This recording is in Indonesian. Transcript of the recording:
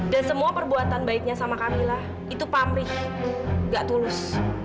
dan semua perbuatan baiknya sama kamila itu pamrih nggak tulus